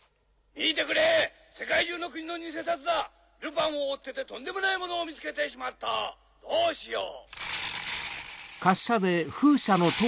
見てくれ世界中の国の偽札だルパンを追っててとんでもないものを見つけてしまったどうしよう！